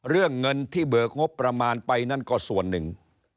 เรื่องเงินที่เบิกงบประมาณไปนั่นก็ส่วนหนึ่ง